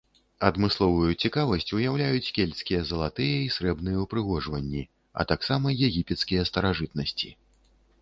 Адмысловую цікавасць уяўляюць кельтскія залатыя і срэбныя ўпрыгожванні, а таксама егіпецкія старажытнасці.